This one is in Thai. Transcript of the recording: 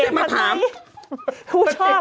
ทุกชอบประเทศประไทย